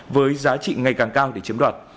với giá trị ngày càng cao để chiếm đoạt